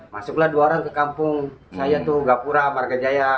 masuklah dua orang ke kampung saya tuh gapura marga jaya